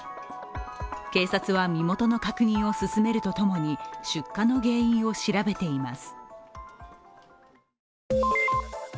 警察は身元の確認を進めるとともに出火の原因を調べています。